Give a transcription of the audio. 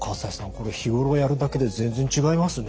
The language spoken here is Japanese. これ日頃やるだけで全然違いますね。